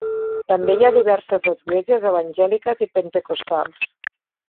També hi ha diverses esglésies evangèliques i pentecostals.